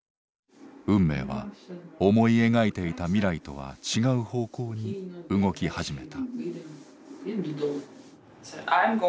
運命は思い描いていた未来とは違う方向に動き始めた。